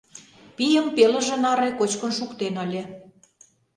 Пийым пелыже наре кочкын шуктен ыле.